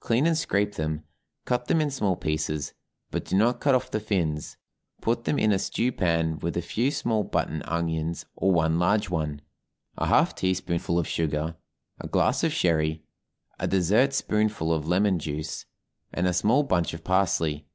Clean and scrape them, cut them in small pieces, but do not cut off the fins; put them in a stew pan with a few small button onions or one large one, a half teaspoonful of sugar, a glass of sherry, a dessert spoonful of lemon juice, and a small bunch of parsley.